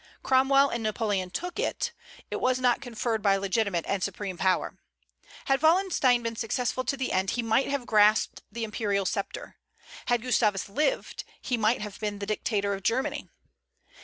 Cromwell and Napoleon took it; it was not conferred by legitimate and supreme power. Had Wallenstein been successful to the end, he might have grasped the imperial sceptre. Had Gustavus lived, he might have been the dictator of Germany.